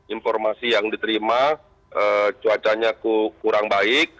informasi yang diterima cuacanya kurang baik